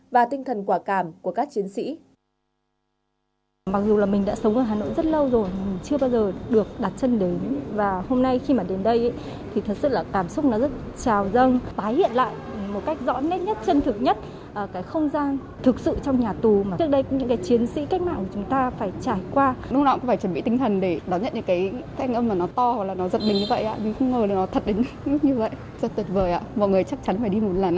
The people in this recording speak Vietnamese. và tinh thần quả cảm của các chiến sĩ